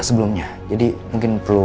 sebelumnya jadi mungkin perlu